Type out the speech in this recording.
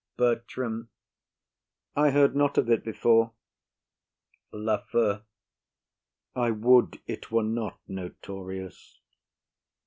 BERTRAM. I heard not of it before. LAFEW. I would it were not notorious.